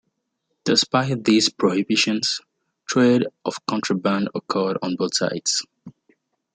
Despite these prohibitions, trade of contraband occurred on both sides.